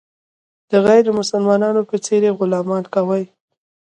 د غیر مسلمانانو په څېر یې غلامان کوي.